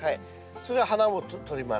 それは花もとります。